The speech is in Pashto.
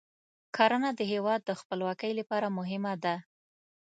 کرنه د هیواد د خپلواکۍ لپاره مهمه ده.